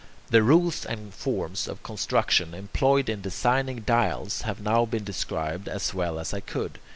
The rules and forms of construction employed in designing dials have now been described as well as I could.